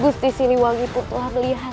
gusti siluwangi pun telah melihat